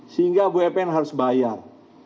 sehingga bumn harus bayar